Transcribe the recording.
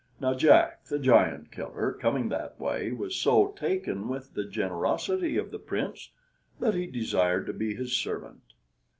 Now Jack the Giant killer, coming that way, was so taken with the generosity of the Prince, that he desired to be his servant.